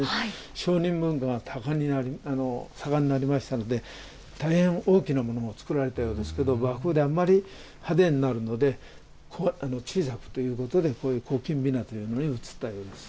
商人文化が盛んになりましたので、大変大きなものを作られたようですけれども、あんまり派手になるので、ここは小さくということで、こきんびなというのに移ったようです。